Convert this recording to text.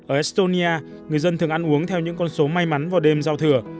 ở estonia người dân thường ăn uống theo những con số may mắn vào đêm giao thừa